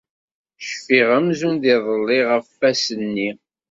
Cfiɣ amzun d iḍelli ɣef wass-nni.